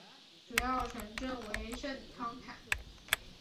主要城镇为圣康坦。